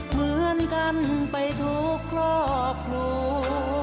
เหมือนกันไปถูกครบหัว